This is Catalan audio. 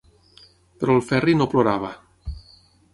Però el Ferri no plorava.